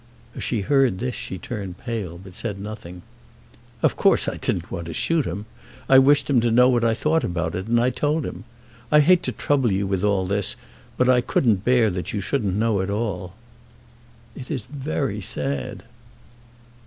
As she heard this she turned pale, but said nothing. "Of course I didn't want to shoot him. I wished him to know what I thought about it, and I told him. I hate to trouble you with all this, but I couldn't bear that you shouldn't know it all." "It is very sad!"